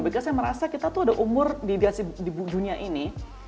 karena saya merasa kita tuh ada umur di dunia ini